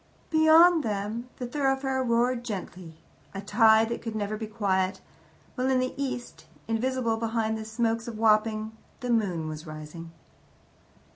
Beyond them the thoroughfare roared gently a tide that could never be quiet, while in the east, invisible behind the smokes of Wapping, the moon was rising.